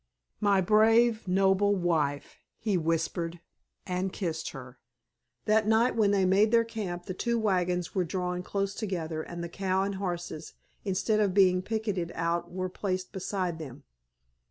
"My brave, noble wife," he whispered, and kissed her. That night when they made their camp the two wagons were drawn close together and the cow and horses instead of being picketed out were placed beside them.